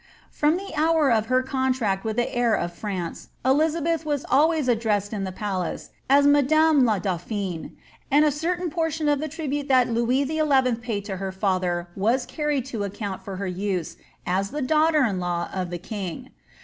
From the hour of her contract with the heir of France, Elizabeth was always addressed in the palace as Madame la Dauphine,' and a certain portion of the tribute that Louis XI. paid to her father was carried to ac eoont for her use as the daughter in law of the king.